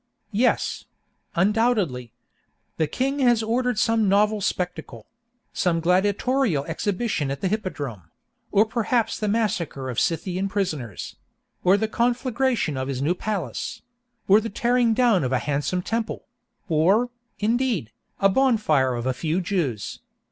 Yes—undoubtedly. The king has ordered some novel spectacle—some gladiatorial exhibition at the hippodrome—or perhaps the massacre of the Scythian prisoners—or the conflagration of his new palace—or the tearing down of a handsome temple—or, indeed, a bonfire of a few Jews.